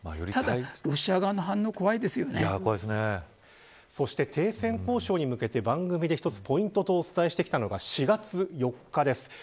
ただ、ロシア側の反応そして停戦交渉に向けて番組で一つポイントとお伝えしてきたのが４月４日です。